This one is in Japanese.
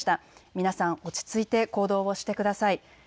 皆さん、落ち着いて行動をしてください。